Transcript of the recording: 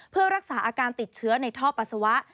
เพื่อรักษาอาการติดเชื้อในท่อปัสสาวะ